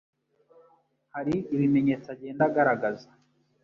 Hari ibimenyetso agenda agaragaza